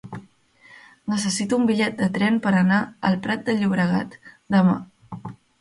Necessito un bitllet de tren per anar al Prat de Llobregat demà.